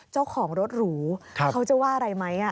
เจ้าของรถหรูเขาจะว่าอะไรไหม